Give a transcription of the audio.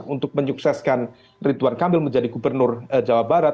untuk menyukseskan ridwan kamil menjadi gubernur jawa barat